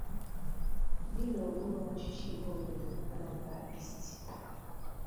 dị n'okpuru ọchịchị ime obodo 'Anambra East'.